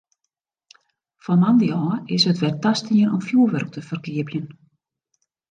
Fan moandei ôf is it wer tastien om fjoerwurk te ferkeapjen.